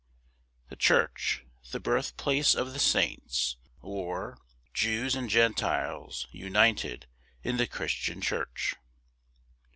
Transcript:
The church the birth place of the saints; or, Jews and Gentiles united in the Christian Church.